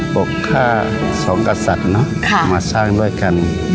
กค่าสองกษัตริย์เนอะมาสร้างด้วยกัน